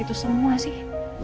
itu semua sih